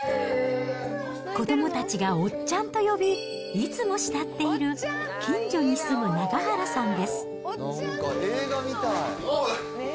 子どもたちがおっちゃんと呼び、いつも慕っている近所に住む永原さんです。